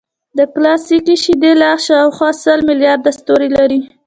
د ګلکسي شیدې لار شاوخوا سل ملیارده ستوري لري.